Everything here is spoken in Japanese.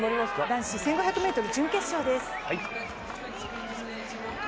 男子１５００ｍ準決勝です。